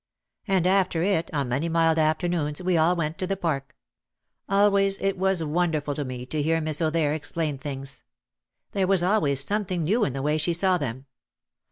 And after it, on many mild afternoons, we all went to the park. Always it was wonderful to me to hear Miss O'There explain things. There was always some thing new in the way she saw them.